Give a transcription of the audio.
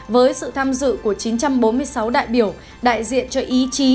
với sự tham dự của chín trăm bốn mươi sáu đại biểu đại diện cho ý chí